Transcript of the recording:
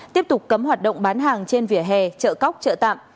tiếp tục cấm hoạt động bán hàng trên vỉa hè chợ cóc chợ tạm